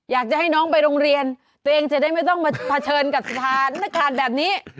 อยากจะให้น้องไปโรงเรียนตัวเองจะได้ไม่ต้องมาเผชิญกับสถานการณ์แบบนี้